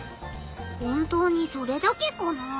本当にそれだけかなあ？